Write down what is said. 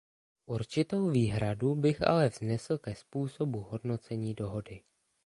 Určitou výhradu bych ale vznesl ke způsobu hodnocení dohody.